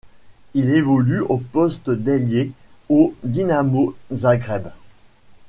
Il évolue au poste d'ailier au Dinamo Zagreb.